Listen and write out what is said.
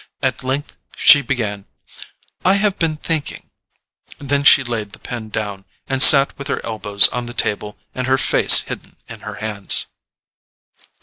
At length she began: "I have been thinking——" then she laid the pen down, and sat with her elbows on the table and her face hidden in her hands.